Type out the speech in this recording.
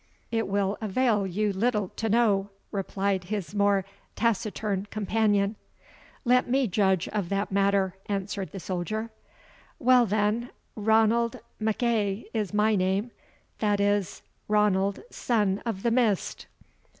"It will avail you little to know," replied his more taciturn companion. "Let me judge of that matter," answered the soldier. "Well, then Ranald MacEagh is my name that is, Ranald Son of the Mist."